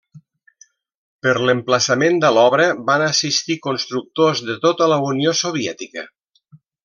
Per l'emplaçament de l'obra van assistir constructors de tota la Unió Soviètica.